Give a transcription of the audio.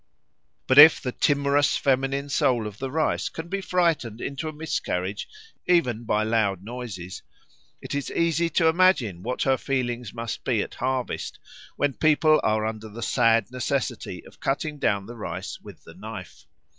But if the timorous feminine soul of the rice can be frightened into a miscarriage even by loud noises, it is easy to imagine what her feelings must be at harvest, when people are under the sad necessity of cutting down the rice with the knife.